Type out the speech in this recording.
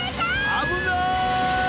あぶない！